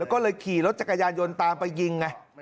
แล้วก็เลยขี่รถจักรยานยนต์ตามไปยิงไง